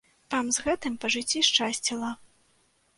Вам з гэтым па жыцці шчасціла.